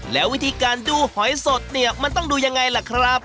แล้ววิธีการดูหอยสดเนี่ยมันต้องดูยังไงล่ะครับ